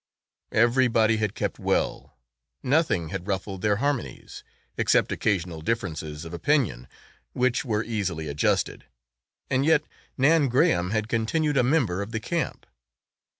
Everybody had kept well, nothing had ruffled their harmonies, except occasional differences of opinion which were easily adjusted, and yet Nan Graham had continued a member of the camp.